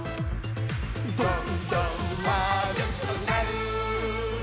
「どんどんまあるくなる！」